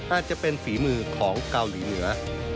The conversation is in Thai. อาจจะเป็นฝีมือของเกาหลีเหนือ